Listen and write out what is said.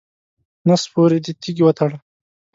نس پورې دې تیږې وتړه.